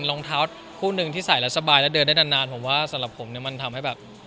รองเท้าคู่หนึ่งที่ใส่แล้วสบายและเดินได้นานผมว่าสำหรับผมเนี่ยมันทำให้แบบ